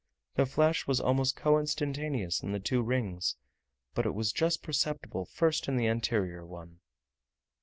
The flash was almost co instantaneous in the two rings, but it was just perceptible first in the anterior one.